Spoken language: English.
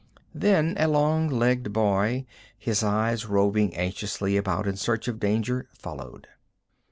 Then a long legged boy, his eyes roving anxiously about in search of danger followed.